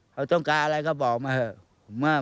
เขาต้องการอะไรก็บอกมาเถอะ